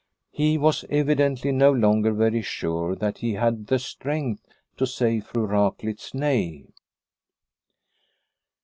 He was evidently no longer very sure that he had the strength to say Fru Raklitz nay.